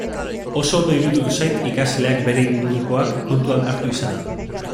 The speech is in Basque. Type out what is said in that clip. Oso ondo iruditu zait ikasleak bere ingurukoak kontuan hartu izana.